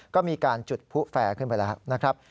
ก็มีการจุดผู้แฟร์ขึ้นไปแล้วนะครับ